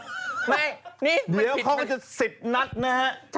เดี๋ยวเขาก็จะสิบนัดนะฮะ